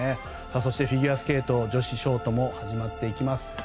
そしてフィギュアスケート女子ショートも始まってきます。